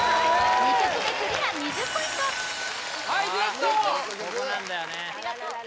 ２曲目クリア２０ポイントはいデュエット